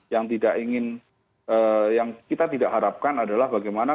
yang tidak ingin yang kita tidak harapkan adalah bagaimana